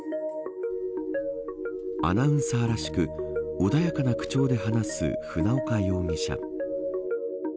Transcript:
アナウンサーらしく穏やかな口調で話す船岡容疑者。